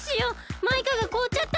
マイカがこおっちゃった！